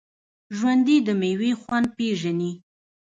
ژوندي د میوې خوند پېژني